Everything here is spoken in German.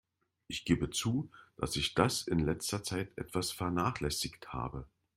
Ich gebe zu, dass ich das in letzter Zeit etwas vernachlässigt habe.